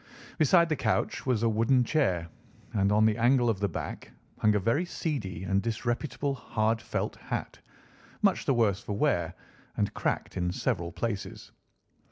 Beside the couch was a wooden chair, and on the angle of the back hung a very seedy and disreputable hard felt hat, much the worse for wear, and cracked in several places.